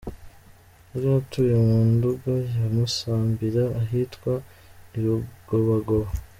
Yari atuye mu Nduga ya Musambira, ahitwa i Rugobagoba.